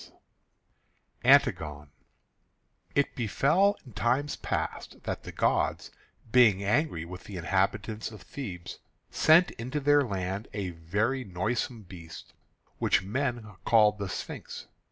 II ANTIGONE It befell in times past that the gods, being angry with the inhabitants of Thebes, sent into their land a very noisome beast which men called the Sphinx.